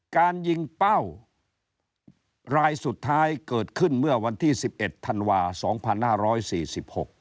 การยิงเป้ารายสุดท้ายเกิดขึ้นเมื่อวันที่๑๑ธันวาส์๒๕๔๖